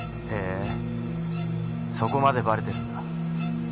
へえそこまでバレてるんだ。